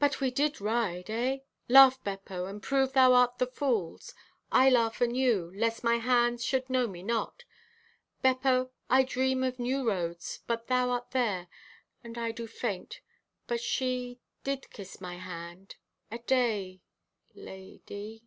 but we did ride, eh? Laugh, Beppo, and prove thou art the fool's! I laugh anew, lest my friends should know me not. Beppo, I dream of new roads, but thou art there! And I do faint, but she ... did kiss my hand.... Aday ... L—a—d—y."